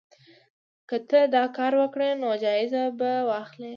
که ته دا کار وکړې نو جایزه به واخلې.